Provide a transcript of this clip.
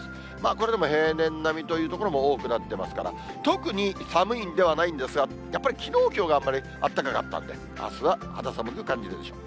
これでも平年並みという所も多くなっていますから、特に寒いんではないんですが、やっぱりきのう、きょうがあんまり暖かかったんで、あすは肌寒く感じるでしょう。